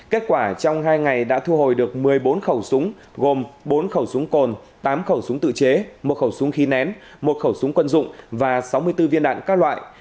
kết quả trong hai ngày đã thu hồi được một mươi bốn khẩu súng gồm bốn khẩu súng cồn tám khẩu súng tự chế một khẩu súng khi nén một khẩu súng quân dụng và sáu mươi bốn viên đạn các loại